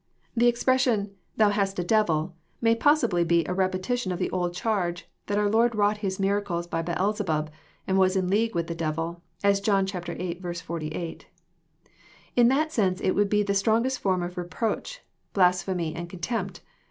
JOHN, CHAP. VII. 23 The expression "Thou hast a devil, may possibly be a repetition of the old charge, thai onr Lord wrought His miracles by Beelzebub, and was in league with the devil, as John viii. 48. In that sense it would be the strongest form of reproach, blasphemy, and contempt.